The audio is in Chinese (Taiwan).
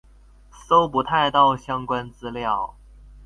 搜不太到相關資料